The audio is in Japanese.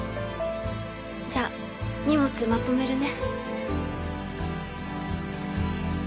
じゃあ荷物まとめるね。